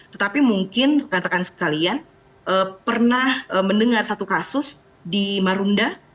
tetapi mungkin rekan rekan sekalian pernah mendengar satu kasus di marunda